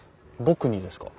僕にですか？